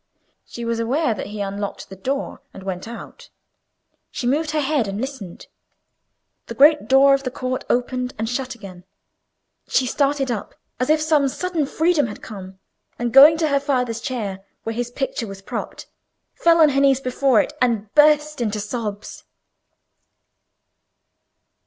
She was aware that he unlocked the door and went out. She moved her head and listened. The great door of the court opened and shut again. She started up as if some sudden freedom had come, and going to her father's chair where his picture was propped, fell on her knees before it, and burst into sobs.